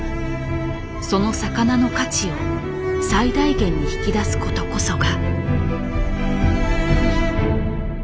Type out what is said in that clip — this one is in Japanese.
その魚の価値を最大限に引き出すことこそが。